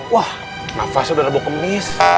wah nafasnya udah rebuk kemis